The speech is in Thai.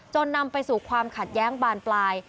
นำไปสู่ความขัดแย้งบานปลาย